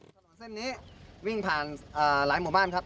ถนนเส้นนี้วิ่งผ่านหลายหมู่บ้านครับ